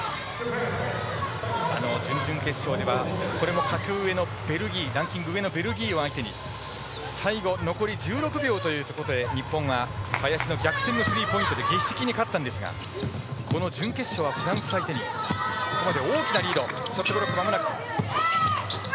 準々決勝ではこれも格上のベルギーランキングが上のベルギーを相手に最後、残り１６秒というところで日本は林の逆転のスリーポイントで劇的に勝ったんですがこの準決勝はフランス相手にここまで大きなリード。